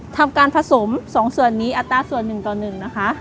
ทำการผสม๒ส่วนนี้อัตราส่วน๑ต่อ๑นะคะ